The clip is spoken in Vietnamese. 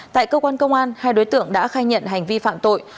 tại cơ quan công an hai đối tượng đã khai nhận hành vi phạm tội